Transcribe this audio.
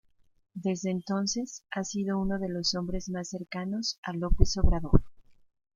Desde entonces, ha sido uno de los hombres más cercanos a López Obrador.